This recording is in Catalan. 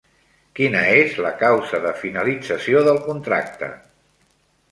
Quina és la causa de finalització del contracte?